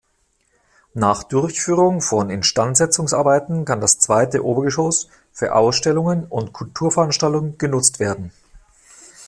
Nach Durchführung von Instandsetzungsarbeiten kann das zweite Obergeschoss für Ausstellungen und Kulturveranstaltungen genutzt werden.